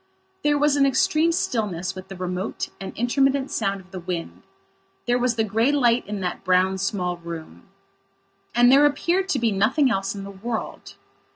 There was an extreme stillness with the remote and intermittent sound of the wind. There was the grey light in that brown, small room. And there appeared to be nothing else in the world.